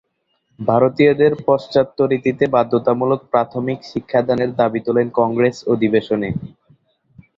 ভারতীয়দের পাশ্চাত্য রীতিতে বাধ্যতামূলক প্রাথমিক শিক্ষাদানের দাবী তোলেন কংগ্রেস অধিবেশনে।